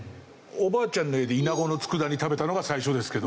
おばあちゃんの家でイナゴの佃煮食べたのが最初ですけど。